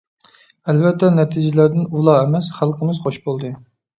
ئەلۋەتتە نەتىجىلەردىن ئۇلا ئەمەس، خەلقىمىز خۇش بولدى.